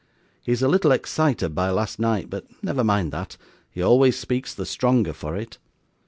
He is a little excited by last night, but never mind that; he always speaks the stronger for it.